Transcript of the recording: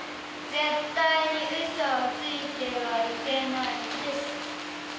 絶対にウソをついてはいけないですって。